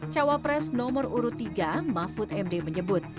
cawa pres nomor urut tiga mahfud md menyebut